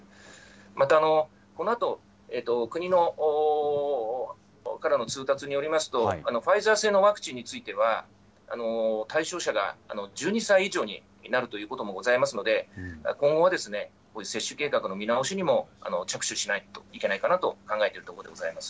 また、このあと国からの通達によりますと、ファイザー製のワクチンについては、対象者が１２歳以上になるということもございますので、今後は接種計画の見直しにも着手しないといけないかなと考えているところでございます。